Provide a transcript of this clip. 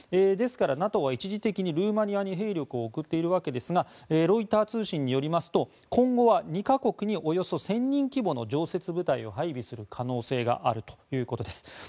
ですから、ＮＡＴＯは一時的にルーマニアに兵力を送っているわけですがロイター通信によりますと今後は２か国におよそ１０００人規模の常設部隊を配備する可能性があるということです。